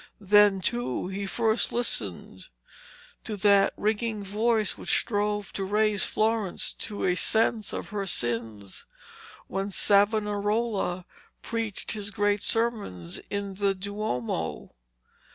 Then, too, he first listened to that ringing voice which strove to raise Florence to a sense of her sins, when Savonarola preached his great sermons in the Duomo.